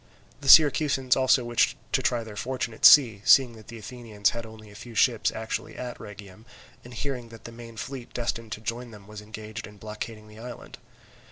The Syracusans also wished to try their fortune at sea, seeing that the Athenians had only a few ships actually at Rhegium, and hearing that the main fleet destined to join them was engaged in blockading the island.